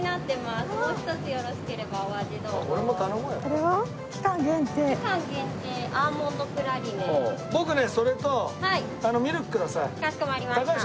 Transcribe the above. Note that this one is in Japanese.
かしこまりました。